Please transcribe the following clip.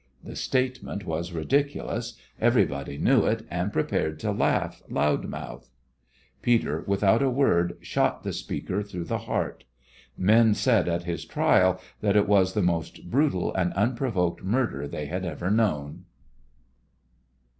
The statement was ridiculous; everybody knew it, and prepared to laugh, loud mouthed. Peter, without a word, shot the speaker through the heart. Men said at his trial that it was the most brutal and unprovoked murder they had ever known.